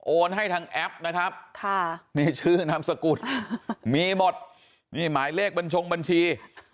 ให้ทางแอปนะครับนี่ชื่อนามสกุลมีหมดนี่หมายเลขบัญชงบัญชี